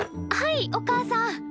はいおかあさん。